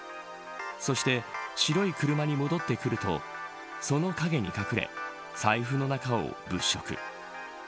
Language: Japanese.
そして白い車に戻ってくるとその陰に隠れ、財布の中を物色。